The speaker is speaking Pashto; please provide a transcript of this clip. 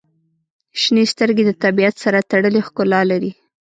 • شنې سترګې د طبیعت سره تړلې ښکلا لري.